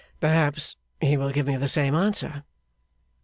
'Perhaps he will give me the same answer.